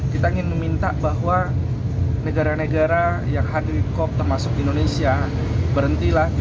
kita ingin meminta bahwa negara negara yang hadir di cop termasuk indonesia berhentilah